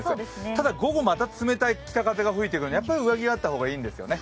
ただ、午後また冷たい北風が吹いて来るのでやっぱり上着があった方がいいんですよね。